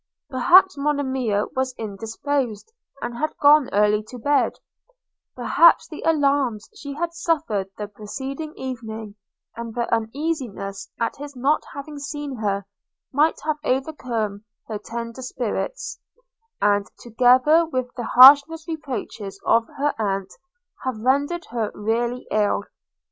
Perhaps Monimia was indisposed, and had gone early to bed; perhaps the alarms she had suffered the preceding evening, and the uneasiness at his not having seen her, might have overcome her tender spirits, and, together with the harsh reproaches of her aunt, have rendered her really ill.